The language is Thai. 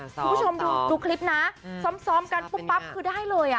คุณผู้ชมดูคลิปนะซ้อมกันปุ๊บปั๊บคือได้เลย